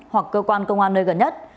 hoặc cơ quan công an nơi gần nhất